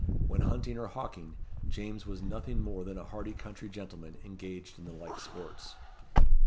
When hunting or hawking, James was nothing more than a hearty country gentleman engaged in the like sports.